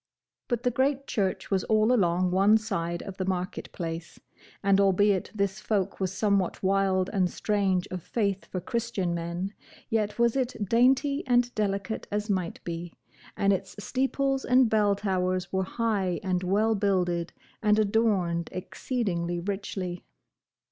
But the great church was all along one side of the market place; and albeit this folk was somewhat wild and strange of faith for Christian men, yet was it dainty and delicate as might be, and its steeples and bell towers were high and well builded, and adorned exceeding richly.